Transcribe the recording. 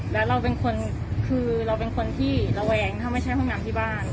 แล้วเราเป็นคนคือเราเป็นคนที่ระแวงถ้าไม่ใช่ห้องน้ำที่บ้าน